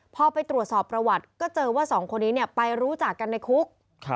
พอไปตรวจสอบประวัติก็เจอว่าสองคนนี้ไปรู้จักกันในคุก